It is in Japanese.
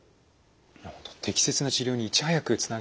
適切な治療にいち早くつなげていきたいですね。